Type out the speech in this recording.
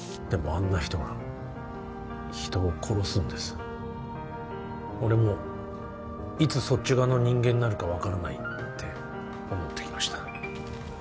あんな人が人を殺すんです俺もいつそっち側の人間になるか分からないって思ってきました